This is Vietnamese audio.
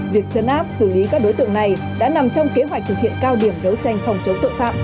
việc chấn áp xử lý các đối tượng này đã nằm trong kế hoạch thực hiện cao điểm đấu tranh phòng chống tội phạm